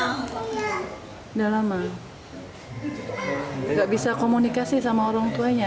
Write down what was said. tidak bisa komunikasi sama orang tuanya